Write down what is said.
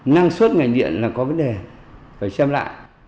năng suất ngành điện là có vấn đề phải xem lại